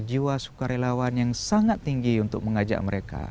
jiwa sukarelawan yang sangat tinggi untuk mengajak mereka